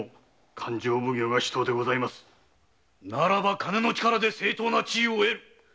ならば金の力で正当な地位を得る。